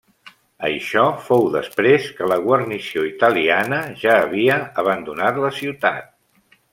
Això fou després que la guarnició italiana ja havia abandonat la ciutat.